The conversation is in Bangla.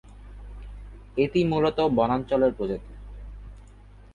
এটি মূলত বনাঞ্চলের প্রজাতি।